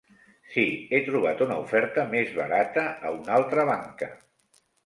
Sí, he trobat una oferta més barata a una altra banca.